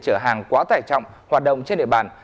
chở hàng quá tải trọng hoạt động trên địa bàn